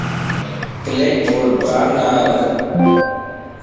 بليڪ بورڊ پار نار.